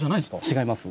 違います。